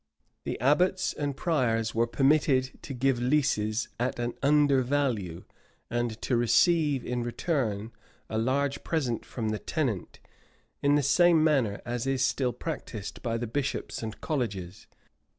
The abbots and priors were permitted to give leases at an under value, and to receive in return a large present from the tenant, in the same manner as is still practised by the bishops and colleges.